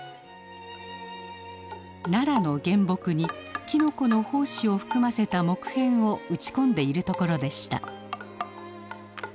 ナラの原木にきのこの胞子を含ませた木片を打ち込んでいるところでした。